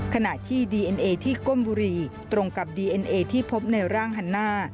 ขณะที่ดีเอ็นเอที่ก้มบุรีตรงกับดีเอ็นเอที่พบในร่างฮันน่า